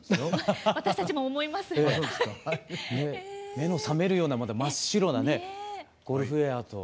目の覚めるような真っ白なねゴルフウエアと。